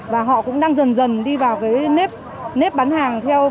và họ cũng đang dần dần đi vào cái nếp bán hàng